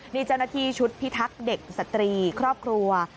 นี่เจ้าหน้าที่ชุดพิทักษ์เด็กสตรีครอบครัว